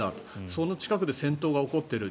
その近くで戦闘が起こっている。